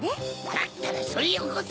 だったらそれよこせ！